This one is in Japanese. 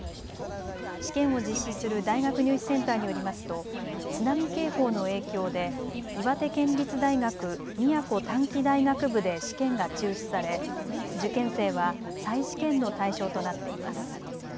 試験を実施する大学入試センターによりますと津波警報の影響で岩手県立大学宮古短期大学部で試験が中止され受験生は再試験の対象となっています。